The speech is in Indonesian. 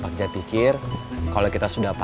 bagja pikir kalau kita sudah berdua